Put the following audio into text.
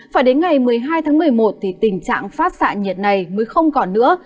phải đến ngày một mươi hai tháng một mươi một thì tình trạng phát xạ nhiệt này mới không còn nữa